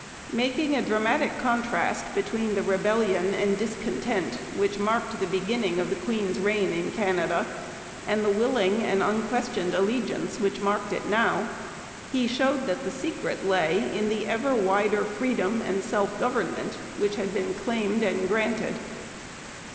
Making a dramatic contrast between the rebellion and discontent which marked the beginning of the Queen's reign in Canada, and the willing and unquestioned allegiance which marked it now, he showed that the secret lay in the ever wider freedom and self government which had been claimed and granted.